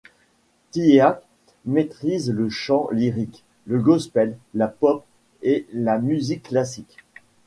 Teeyah maîtrise le chant lyrique, le gospel, la pop et la musique classique.